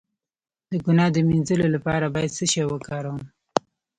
د ګناه د مینځلو لپاره باید څه شی وکاروم؟